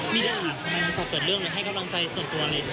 ไม่ได้อ่านทำไมหลังจากเกิดเรื่องหรือให้กำลังใจส่วนตัวอะไรอย่างนี้